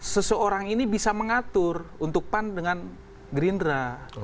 seseorang ini bisa mengatur untuk pan dengan gerindra